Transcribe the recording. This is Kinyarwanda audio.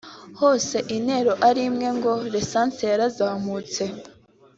hose intero ari imwe ngo “lisansi yarazamutse”